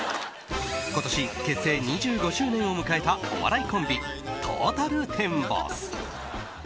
今年、結成２５周年を迎えたお笑いコンビ、トータルテンボス。